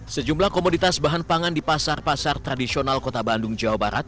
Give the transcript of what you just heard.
sejumlah komoditas bahan pangan di pasar pasar tradisional kota bandung jawa barat